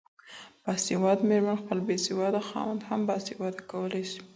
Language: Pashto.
باسواده ميرمن خپل بيسواده خاوند هم باسواده کولای سي